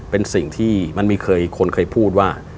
เป็นสิ่งที่มันมีคนเคยพูดว่า